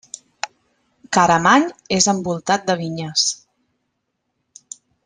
Caramany és envoltat de vinyes.